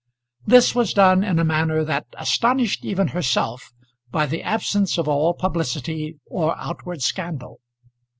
This was done in a manner that astonished even herself by the absence of all publicity or outward scandal.